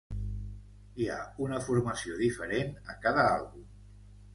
Hi ha una formació diferent a cada àlbum.